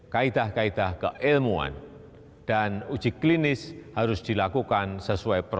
kaedah kaedah keilmuan dan uji klinis harus dilakukan sesuai prosedur